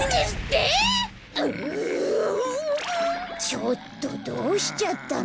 ちょっとどうしちゃったの？